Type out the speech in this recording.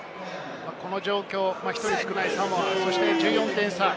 この状況、１人少ないサモア、１４点差。